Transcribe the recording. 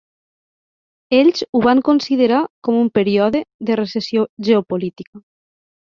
Ells ho van considerar com "un període de recessió geopolítica".